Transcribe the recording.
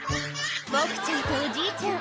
ボクちゃんとおじいちゃん